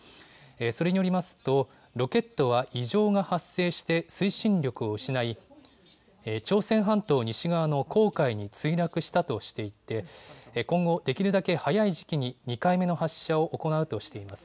それによりますと、ロケットは異常が発生して推進力を失い、朝鮮半島西側の黄海に墜落したとしていて、今後、できるだけ早い時期に２回目の発射を行うとしています。